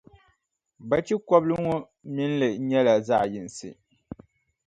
Bachikɔbili ŋɔ mini li nyɛla zaɣʼ yinsi.